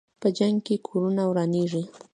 په جنګ کې کورونه ورانېږي.